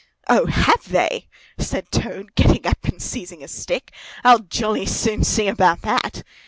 "O, have they!" said Toad getting up and seizing a stick. "I'll jolly soon see about that!"